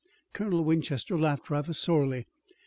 Colonel Winchester laughed rather sorely.